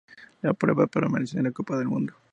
La prueba perteneció a la Copa del Mundo.